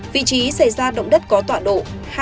vị trí xảy ra động đất có tọa độ hai mươi một trăm chín mươi sáu